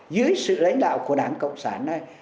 dưới sự lãnh đạo của đảng cộng sản này